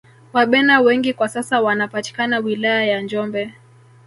Wabena wengi kwa sasa wanapatikana wilaya ya njombe